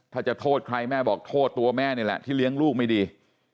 ถ้าจะโทษใครแม่บอกโทษตัวแม่นี่แหละที่เลี้ยงลูกไม่ดี